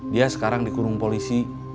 dia sekarang dikurung polisi